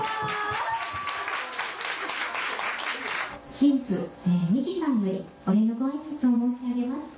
新婦美樹さんよりお礼のご挨拶を申し上げます。